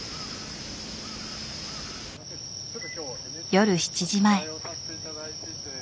夜７時前。